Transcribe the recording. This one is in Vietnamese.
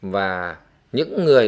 và những người